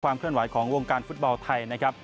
ข้ามเคลื่อนไหวของวงการฟุตเบาไทย